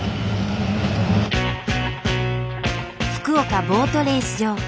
福岡ボートレース場。